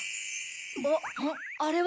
あっあれは。